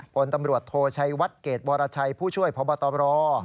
ผลตำรวจโทชัยวัดเกรดวรชัยผู้ช่วยพบตร